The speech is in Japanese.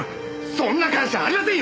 そんな会社ありませんよ